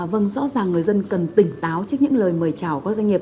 vâng rõ ràng người dân cần tỉnh táo trước những lời mời chào các doanh nghiệp